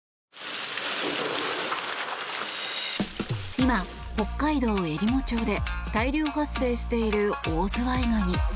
今、北海道えりも町で大量発生しているオオズワイガニ。